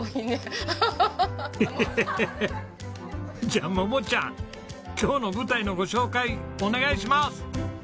じゃあ桃ちゃん今日の舞台のご紹介お願いします！